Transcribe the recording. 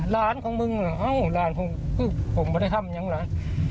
ร้านของมึงอ่อร้านของมึงคือผมไม่ได้ทำยังไง